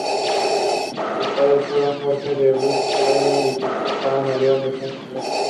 Sus padres fueron Jorge de Brunswick-Luneburgo y su esposa Ana Leonor de Hesse-Darmstadt.